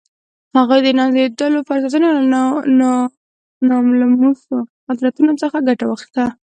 هغوی د نازېږېدلو فرصتونو له ناملموسو قدرتونو څخه ګټه واخیسته